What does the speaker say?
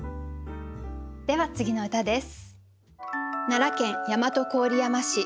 では次の歌です。